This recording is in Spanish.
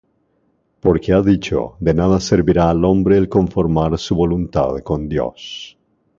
Porque ha dicho: De nada servirá al hombre El conformar su voluntad con Dios.